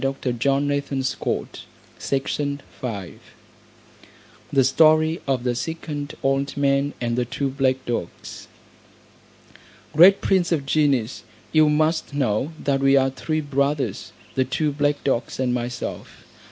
Then the second old man began in this manner The Story of the Second old Man and the Two Black Dogs. Great prince of genies, you must know that we are three brothers, the two black dogs and myself.